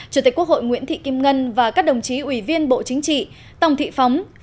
chủ tịch quốc hội nguyễn thị kim ngân và các đồng chí ủy viên bộ chính trị tòng thị phóng